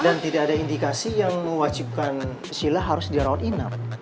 dan tidak ada indikasi yang mewajibkan sila harus dirawat inap